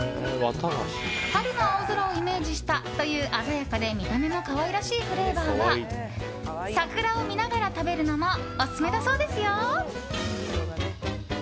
春の青空をイメージしたという鮮やかで見た目も可愛らしいフレーバーは桜を見ながら食べるのもオススメだそうですよ。